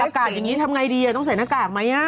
กาศอย่างนี้ทำไงดีต้องใส่หน้ากากไหม